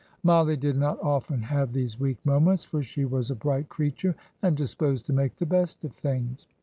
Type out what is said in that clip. Mollie did not often have these weak moments, for she was a bright creature, and disposed to make the best of things.